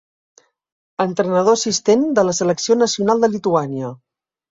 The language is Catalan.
Entrenador assistent de la selecció nacional de Lituània.